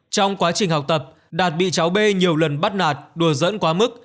trong quá trình học tập đạt bị cháu b nhiều lần bắt nạt đùa dẫn quá mức